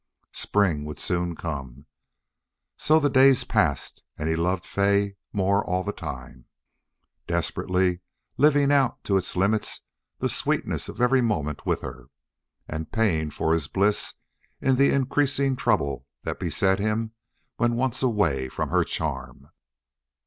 Spring would soon come. So the days passed, and he loved Fay more all the time, desperately living out to its limit the sweetness of every moment with her, and paying for his bliss in the increasing trouble that beset him when once away from her charm.